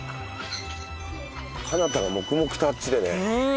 奏太が黙々とあっちでね。